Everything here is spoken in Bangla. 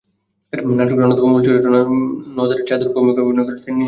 নাটকটির অন্যতম মূল চরিত্র, নদের চাঁদের ভূমিকায় অভিনয়ও করেছেন তিনি নিজেই।